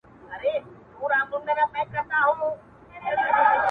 د مرور روح د پخلا وجود کانې دي ته~